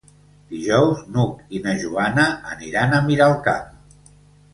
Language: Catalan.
Dijous n'Hug i na Joana aniran a Miralcamp.